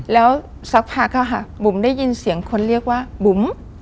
แล้วสักพักค่ะบุ๋มได้ยินเสียงคนเรียกว่าบุ๋ม